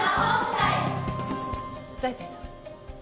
財前さんも。